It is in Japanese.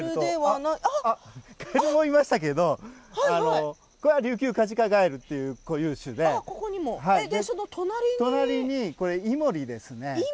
カエルもいましたけど、これはリュウキュウカジカガエルという固有種でしてその隣はイモリです。